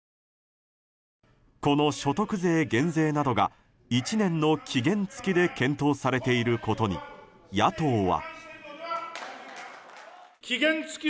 この所得税減税などが１年の期限付きで検討されていることに野党は。